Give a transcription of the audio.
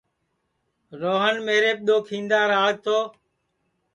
روہن میریپ دؔو کھیندا راݪ تو